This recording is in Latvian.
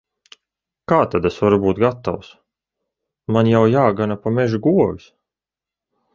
Kā tad es varu būt gatavs! Man jau jāgana pa mežu govis.